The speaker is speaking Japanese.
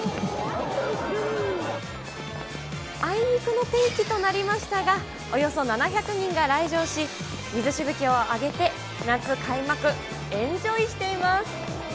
あいにくの天気となりましたが、およそ７００人が来場し、水しぶきを上げて、夏開幕、エンジョイしています。